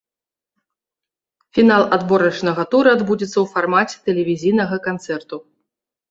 Фінал адборачнага тура адбудзецца ў фармаце тэлевізійнага канцэрту.